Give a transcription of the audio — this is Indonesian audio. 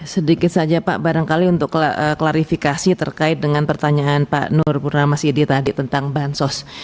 sedikit saja pak barangkali untuk klarifikasi terkait dengan pertanyaan pak nur purnama sidi tadi tentang bansos